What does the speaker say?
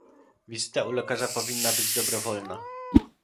Wizyta u lekarza powinna być dobrowolna